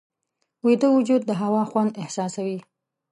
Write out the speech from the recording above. ویده وجود د هوا خوند احساسوي